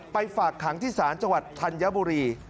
ฝากขังที่ศาลจังหวัดธัญบุรี